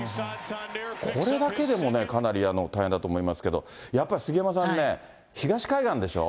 これだけでもね、かなり大変だと思いますけど、やっぱり杉山さんね、東海岸でしょ。